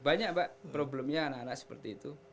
banyak pak problemnya anak anak seperti itu